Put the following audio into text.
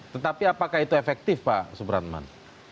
tetapi apakah itu efektif pak subratman